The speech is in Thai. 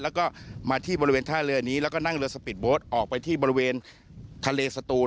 แล้วก็มาที่บริเวณท่าเรือนี้แล้วก็นั่งเรือสปีดโบ๊ทออกไปที่บริเวณทะเลสตูน